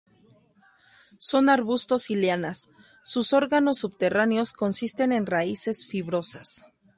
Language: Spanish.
Son arbustos y lianas; sus órganos subterráneos consisten en raíces fibrosas.